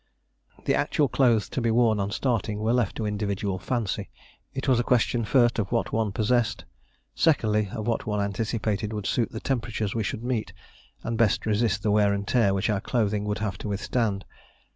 The actual clothes to be worn on starting were left to individual fancy. It was a question first of what one possessed; secondly, of what one anticipated would suit the temperatures we should meet, and best resist the wear and tear which our clothing would have to withstand.